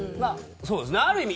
ある意味